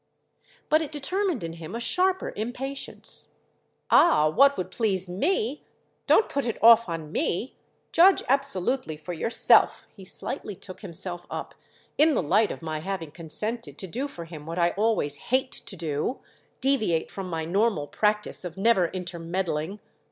But it determined in him a sharper impatience. "Ah, what would please me! Don't put it off on 'me'! Judge absolutely for yourself"—he slightly took himself up—"in the light of my having consented to do for him what I always hate to do: deviate from my normal practice of never intermeddling.